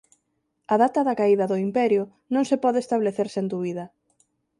A data da caída do Imperio non se pode establecer sen dúbida.